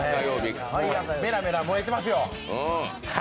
メラメラ、燃えていますよ、はい。